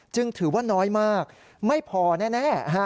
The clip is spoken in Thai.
ถือว่าน้อยมากไม่พอแน่